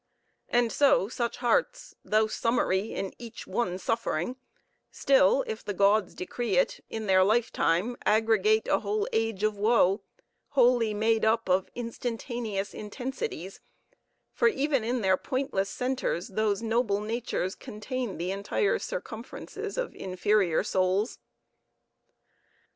And so, such hearts, though summary in each one suffering, still (if the gods decree it) in their lifetime aggregate a whole age of woe, wholly made up of instantaneous intensities; for even in their pointless centres those noble natures contain the entire circumferences of inferior souls.